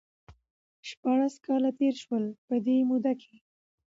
شپاړس کاله تېر شول ،په دې موده کې